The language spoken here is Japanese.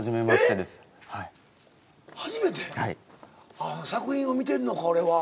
ああ作品を見てんのか俺は。